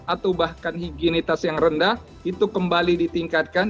atau bahkan higienitas yang rendah itu kembali ditingkatkan